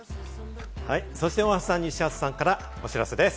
そして大橋さん、西畑さんからお知らせです。